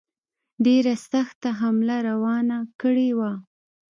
ډېره سخته حمله روانه کړې وه.